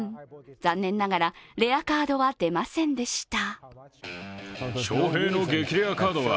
残念ながら、レアカードは出ませんでした。